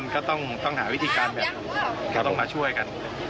ก็ต้องหาวิธีการแบบก็ต้องมาช่วยกัน